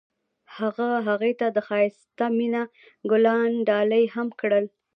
هغه هغې ته د ښایسته مینه ګلان ډالۍ هم کړل.